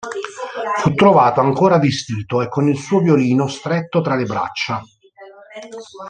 Fu trovato ancora vestito e con il suo violino stretto tra le braccia.